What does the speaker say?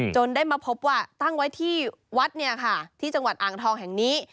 ได้มาพบว่าตั้งไว้ที่วัดที่จังหวัดอ่างทองแห่งนี้